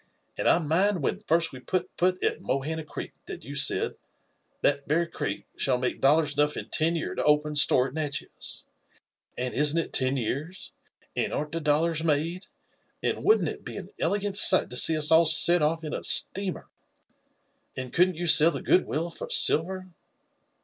And I mini, when £rst we put Coot at Mohana Creek, that you said, ' That very creek shall make dollars enough in ten year^ lo open store at Natchez:' and isn't it ten years? and arn't the dollars made? and wouldn't it be an elegant sight to see us all set off in a steamer ? and couldn't you sell the good will for silver